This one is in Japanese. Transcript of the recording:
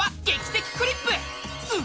「劇的クリップ」！